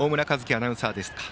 アナウンサーでした。